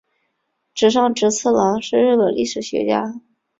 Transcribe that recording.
村上直次郎是日本历史学家。